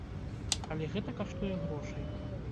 Але гэта каштуе грошай.